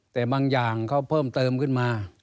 แต่บางอย่างเขาเพิ่มเติมขึ้นมา